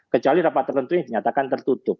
kecuali rapat tertentu yang dinyatakan tertutup